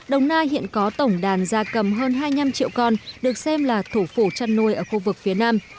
đồng nai hiện có tổng đàn da cầm hơn hai năm trăm linh triệu con được xem là thủ phủ chăn nuôi ở khu vực phía nam